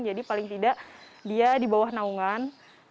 jadi paling tidak dia di bawah naungan